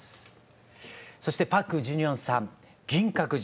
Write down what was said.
そしてパク・ジュニョンさん「銀閣寺」。